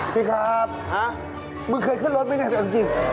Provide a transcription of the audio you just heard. พี่ครับมึงเคยขึ้นรถไหมอย่างจริง